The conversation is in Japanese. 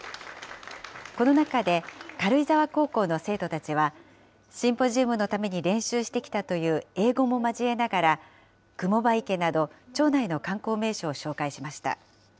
この中で軽井沢高校の生徒たちは、シンポジウムのために練習してきたという英語も交えながら、雲場池など町内の観光名所を紹介しました。